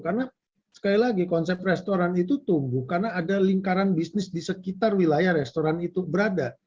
karena sekali lagi konsep restoran itu tumbuh karena ada lingkaran bisnis di sekitar wilayah restoran itu berada